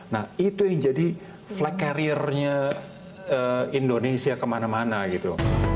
nah itu yang jadi flag carriernya indonesia kemana mana gitu